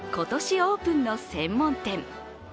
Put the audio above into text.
オープンの専門店。